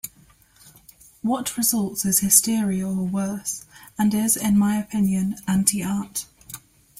What results is hysteria or worse, and is, in my opinion, anti-art.